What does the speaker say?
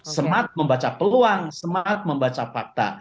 smart membaca peluang smart membaca fakta